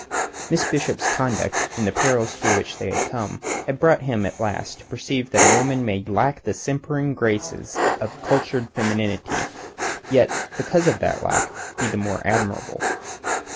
Miss Bishop's conduct in the perils through which they had come had brought him at last to perceive that a woman may lack the simpering graces of cultured femininity and yet because of that lack be the more admirable.